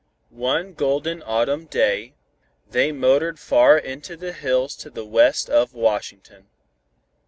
One golden autumn day, they motored far into the hills to the west of Washington.